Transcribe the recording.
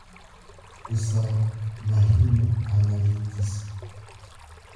Kosa mahina analikhisa.